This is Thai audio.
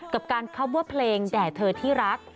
กับการเข้าบัวเพลงแด่เธอที่รัก